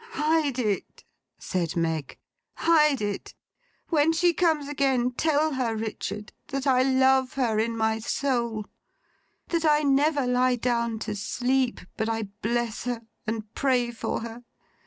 'Hide it,' said Meg. 'Hide it! When she comes again, tell her, Richard, that I love her in my soul. That I never lie down to sleep, but I bless her, and pray for her.